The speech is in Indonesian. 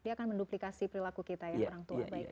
dia akan menduplikasi perilaku kita ya orang tua